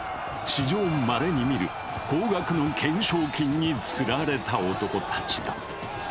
史上まれに見る高額の懸賞金につられた男たちだ。